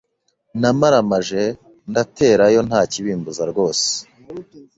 Namaramaje ndaterayo ntakibimbuza rwose